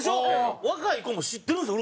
若い子も知ってるんですよ